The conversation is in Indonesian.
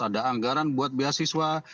ada anggaran buat beasiswa